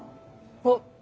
あっ！